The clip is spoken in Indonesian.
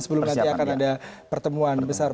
sebelum nanti akan ada pertemuan besar